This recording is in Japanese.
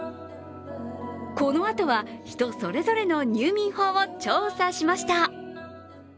このあとは、人それぞれの入眠法を調査しました。